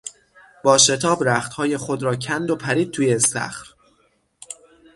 با شتاب رختهای خود را کند و پرید توی استخر.